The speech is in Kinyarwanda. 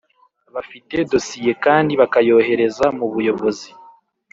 bafite dosiye kandi bakayohereza mu buyobozi